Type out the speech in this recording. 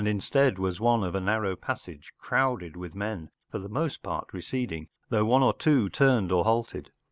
instead was one of a narrow passage, crowded with men, for the most part receding* though one or two turned or halted.